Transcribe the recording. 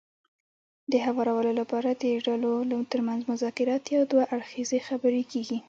د هوارولو لپاره د ډلو ترمنځ مذاکرات يا دوه اړخیزې خبرې کېږي.